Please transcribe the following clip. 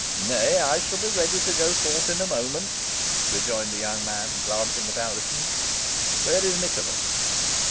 "Nay, I shall be ready to go forth in a moment," rejoined the young man, glancing at Alizon. "Where is Nicholas?"